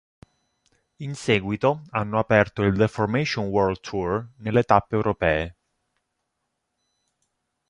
In seguito hanno aperto il The Formation World Tour nelle tappe europee.